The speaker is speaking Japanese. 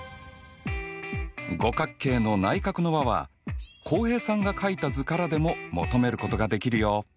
五角形の内角の和は浩平さんが書いた図からでも求めることができるよ。